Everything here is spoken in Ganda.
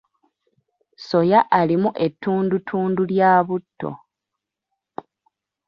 Soya alimu ettundutundu lya butto.